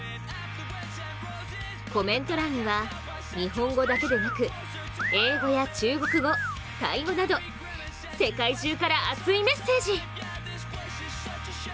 コメント欄には、日本語だけでなく英語や中国語、タイ語など世界中から熱いメッセージ！